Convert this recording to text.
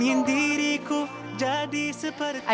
ingin diriku jadi seperti